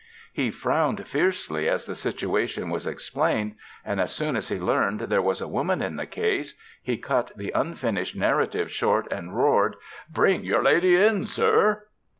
He frowned fiercely as the situation was ex plained, and as soon as he learned there was a woman in the case he cut the unfinished narrative short and roared: "Bring your lady in, sir!"